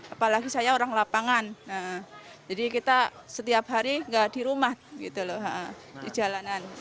apalagi saya orang lapangan jadi kita setiap hari nggak di rumah gitu loh di jalanan